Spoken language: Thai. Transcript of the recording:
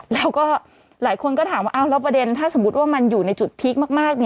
แล้วก็หลายคนก็ถามว่าแล้วประเด็นถ้าสมมุติว่ามันอยู่ในจุดพีคมาก